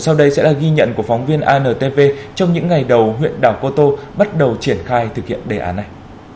sau đây sẽ là ghi nhận của phóng viên antv trong những ngày đầu huyện đảo cô tô bắt đầu triển khai thực hiện đề án này